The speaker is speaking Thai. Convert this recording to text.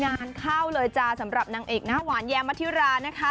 งานเข้าเลยจ้าสำหรับนางเอกหน้าหวานแยมมาธิรานะคะ